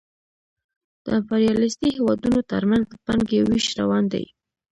د امپریالیستي هېوادونو ترمنځ د پانګې وېش روان دی